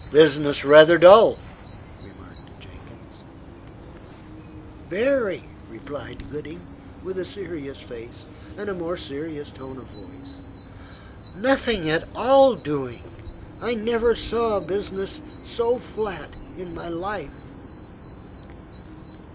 "Business rather dull," remarked Jenkins. "Very," replied Gooding, with a serious face, and more serious tone of voice. "Nothing at all doing. I never saw business so flat in my life."